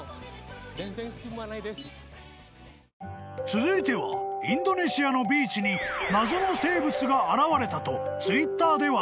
［続いてはインドネシアのビーチに謎の生物が現れたとＴｗｉｔｔｅｒで話題に］